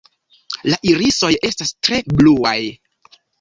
La irisoj estas tre bluaj.